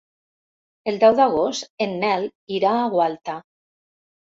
El deu d'agost en Nel irà a Gualta.